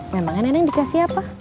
memangnya nenek dikasih apa